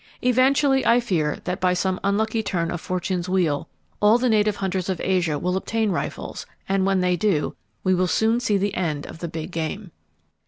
Eventually, I fear that by some unlucky turn of Fortune's wheel all the native hunters of Asia will obtain rifles; and when they do, we soon will see the end of the big game.